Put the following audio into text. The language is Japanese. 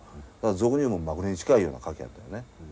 俗にいうまぐれに近いような賭けやったよね。